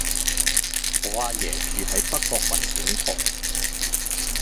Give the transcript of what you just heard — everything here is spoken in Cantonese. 我阿爺住喺北角雲景台